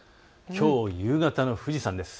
きょう夕方の富士山です。